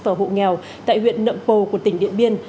và hộ nghèo tại huyện nậm pồ của tỉnh điện biên